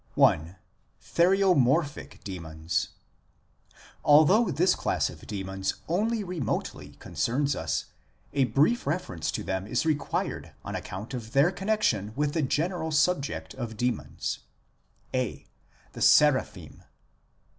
I. THERIOMORPHIC DEMONS Although this class of demons only remotely concerns us, a brief reference to them is required on account of their connexion with the general subject of demons. (a) The Seraphim.